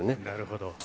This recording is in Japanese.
なるほど。